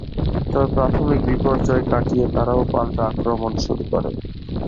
তবে প্রাথমিক বিপর্যয় কাটিয়ে তারাও পাল্টা আক্রমণ শুরু করে।